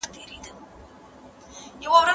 سیاسي سانسور رد شوی دی.